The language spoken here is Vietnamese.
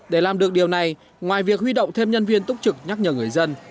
để làm được điều này ngoài việc huy động thêm nhân viên túc trực nhắc nhở người dân